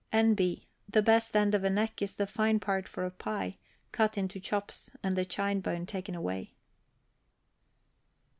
N. B. The best end of a neck is the fine part for a pie, cut into chops, and the chine bone taken away.